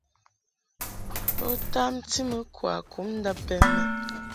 Bo tamti mɨ kwakum ndab bɛ mɛʼ.